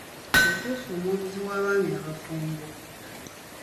Ofuuse muwabuzi wa baami abafumbo.